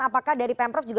apakah dari pemprov juga